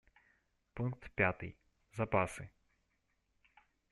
Пункт пятый: запасы.